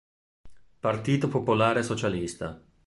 Partito Popolare Socialista